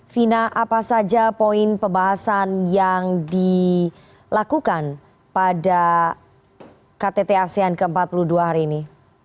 vina apa saja poin pembahasan yang dilakukan pada ktt asean ke empat puluh dua hari ini